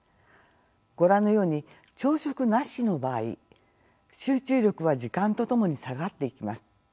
ご覧のように朝食なしの場合集中力は時間とともに下がっていきます。